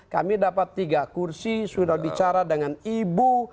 kami dapat tiga kursi sudah bicara dengan ibu